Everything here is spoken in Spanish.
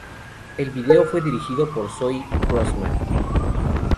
El vídeo fue dirigido por Zoey Grossman.